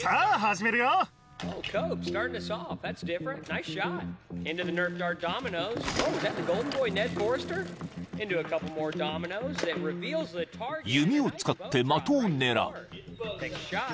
［弓を使って的を狙う］